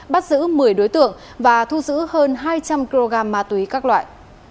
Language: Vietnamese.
bắt giữ một mươi đối tượng và thu giữ hơn hai trăm linh kg ma túy các loại